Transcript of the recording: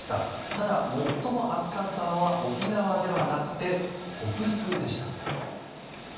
ただ、最も暑かったのは沖縄ではなくて北陸でした。